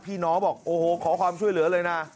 น้องบอกโอ้โหขอความช่วยเหลือเลยนะ